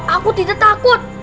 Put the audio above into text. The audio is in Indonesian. aku tidak takut